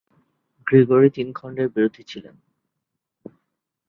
Grigory তিন খণ্ডের বিরোধী ছিলেন।